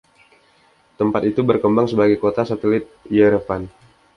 Tempat itu berkembang sebagai kota satelit Yerevan.